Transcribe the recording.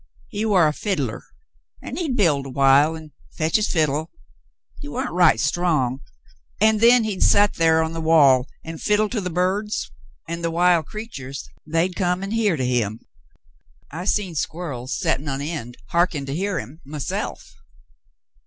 *' He war a fiddler, and he'd build awhile, and fetch his fiddle — he warn't right strong — an' then he'd set thar on the wall an' fiddle to the birds ; an' the wild creeturs, they'd come an' hear to him. I seen squerrels settin' on end hearkin' to him, myself.